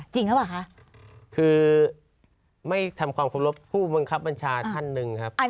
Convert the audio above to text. จริงแล้วบะคะคือไม่ทำความขอบครบผู้บังครับบัญชาท่านนึงครับ